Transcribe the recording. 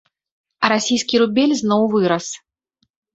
А расійскі рубель зноў вырас.